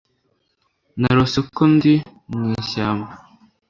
Narose ko ndi mwishyamba